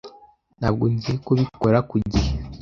Ntabwo ngiye kubikora ku gihe.